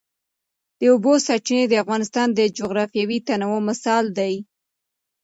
د اوبو سرچینې د افغانستان د جغرافیوي تنوع مثال دی.